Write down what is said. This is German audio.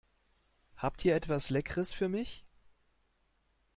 Habt ihr etwas Leckeres für mich?